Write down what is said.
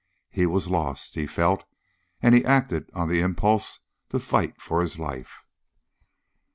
He was lost, he felt, and he acted on the impulse to fight for his life.